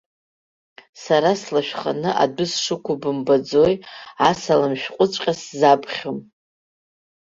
Сара слашәханы адәы сшықәу бымбаӡои, асалам шәҟәыҵәҟьа сзаԥхьом.